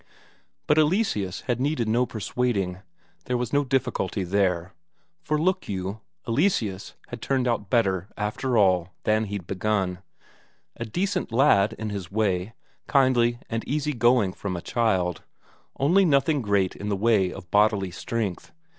But Eleseus had needed no persuading, there was no difficulty there. For, look you, Eleseus had turned out better, after all, than he'd begun; a decent lad in his way, kindly and easy going from a child, only nothing great in the way of bodily strength.